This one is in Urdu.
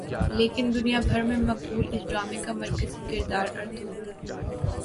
لیکن دنیا بھر میں مقبول اس ڈارمے کا مرکزی کردار ارطغرل